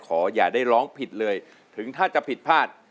อย่าได้ร้องผิดเลยถึงถ้าจะผิดพลาด